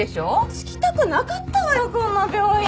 継ぎたくなかったのよこんな病院！